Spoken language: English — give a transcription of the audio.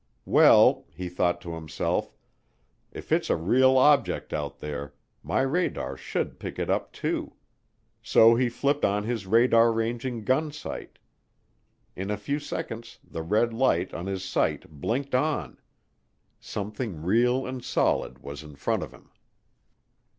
Well, he thought to himself, if it's a real object out there, my radar should pick it up too; so he flipped on his radar ranging gunsight. In a few seconds the red light on his sight blinked on something real and solid was in front of him.